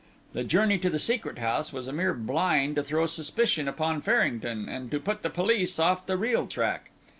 The journey to the Secret House was a mere blind to throw suspicion upon Farrington and to put the police off the real track.